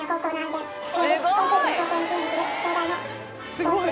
すごい！